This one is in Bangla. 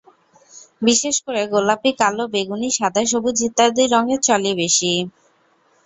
বিশেষ করে গোলাপি, কালো, বেগুনি, সাদা, সবুজ ইত্যাদি রঙের চলই বেশি।